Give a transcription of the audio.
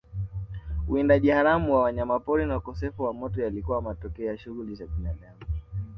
Uwindaji haramu wa wanyamapori na ukosefu wa moto yalikuwa matokeo ya shughuli za binadamu